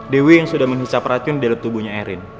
dewi yang sudah menghisap racun di dalam tubuhnya erin